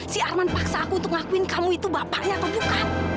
si arman paksa aku untuk ngakuin kamu itu bapaknya atau bukan